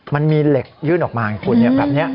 มีเล็กยื่นออกมาอย่างนี้